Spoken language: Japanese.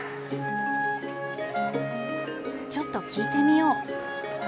ちょっと聞いてみよう。